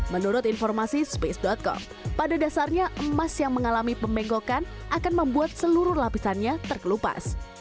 menurut informasi space com pada dasarnya emas yang mengalami pemenggokan akan membuat seluruh lapisannya terkelupas